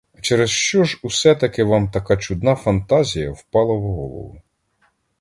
А через що ж усе-таки вам така чудна фантазія впала в голову?